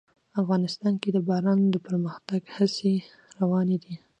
افغانستان کې د باران د پرمختګ هڅې روانې دي.